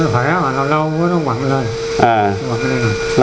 thở khỏe mà lâu lâu nó quặng lên